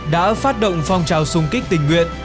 đã phát động phong trào xung kích tình nguyện